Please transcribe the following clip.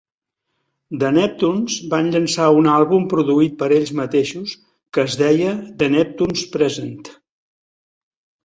The Neptunes van llançar un àlbum produït per ells mateixos que es deia "The Neptunes Present...".